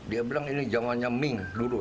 dia bilang ini jangannya ming dulu